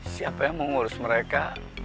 siapa yang mengurus mereka